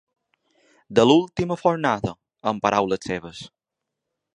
“De l’última fornada”, en paraules seves.